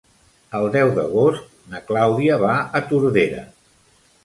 El deu d'agost na Clàudia va a Tordera.